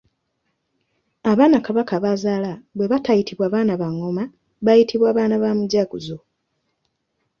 Abaana kabaka b’azaala bwe batayitibwa baana ba ngoma bayitibwa baana ba Mujaguzo.